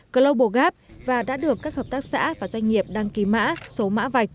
global gap và đã được các hợp tác xã và doanh nghiệp đăng ký mã số mã vạch